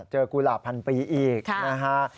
กุหลาบพันปีอีกนะฮะ